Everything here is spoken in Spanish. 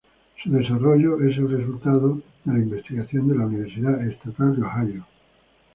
Su desarrollo es el resultado de la investigación de la Universidad Estatal de Ohio.